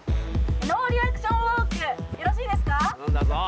ノーリアクションウォークよろしいですか？